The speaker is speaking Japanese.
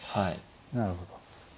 なるほど。